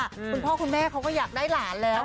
คุณพ่อคุณแม่เขาก็อยากได้หลานแล้ว